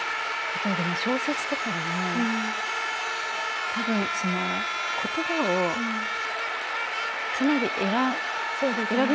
例えば小説とかでもたぶんその言葉をかなりそうですね。